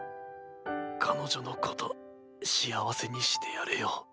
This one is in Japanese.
彼女のこと幸せにしてやれよ。